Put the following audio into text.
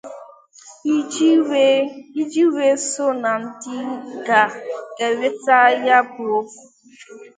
iji wee so na ndị ga-enwete ya bụ ọgwụ